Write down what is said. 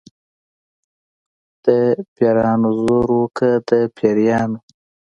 د پیرانو زور و که د پیریانو.